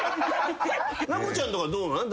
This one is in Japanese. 奈子ちゃんとかはどうなの？